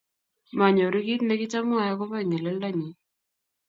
Manyoru kit ne kitamwoe akopo ingeleldo nyi.